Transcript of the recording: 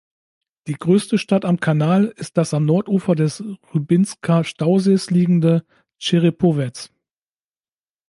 Die größte Stadt am Kanal ist das am Nordufer des Rybinsker Stausees liegende Tscherepowez.